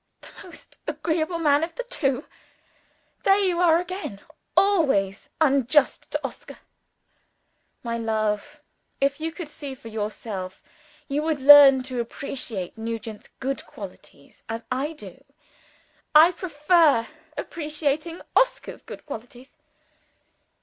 "The most agreeable man of the two! There you are again always unjust to Oscar." "My love! if you could see for yourself, you would learn to appreciate Nugent's good qualities, as I do." "I prefer appreciating Oscar's good qualities."